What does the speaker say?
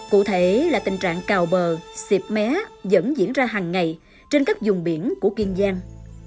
cụ thể là tình trạng cào bờ xịp mé vẫn diễn ra hàng ngày trên các dùng biển của kiên giang